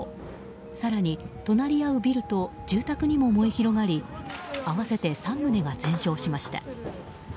更に隣り合うビルと住宅にも燃え広がり合わせて３棟が全焼しました。